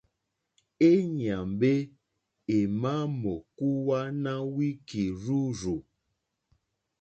E nyàmbe è ma mò kuwana wiki rzurzù.